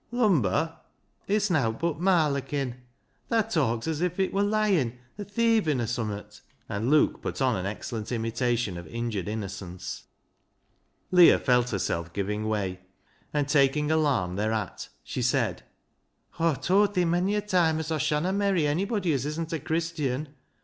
"" Lumber ? it's nowt but marlockin', Thaa talks as if it wur lyin' or thievin', or summat," LEAH'S LOVER 69 and Luke put on an excellent imitation of injured innocence. Leah felt herself giving \va\', and taking alarm thereat, she said —" Aw've towd thi mony a toime as Aw shanna merry onybody as isn't a Christian.